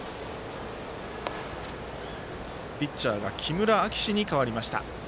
ピッチャーが木村壮孜に代わりました。